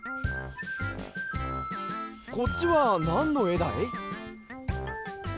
こっちはなんのえだい？